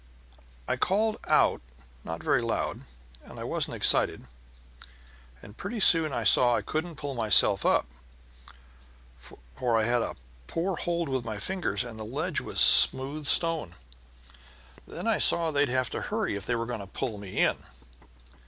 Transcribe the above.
I called out not very loud, and I wasn't excited. Pretty soon I saw I couldn't pull myself up, for I had a poor hold with my fingers, and the ledge was smooth stone. Then I saw they'd have to hurry if they were going to pull me in.